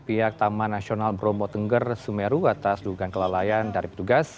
pihak taman nasional bromo tengger sumeru atas dugaan kelalaian dari petugas